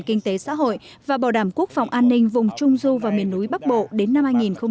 kinh tế xã hội và bảo đảm quốc phòng an ninh vùng trung du và miền núi bắc bộ đến năm hai nghìn hai mươi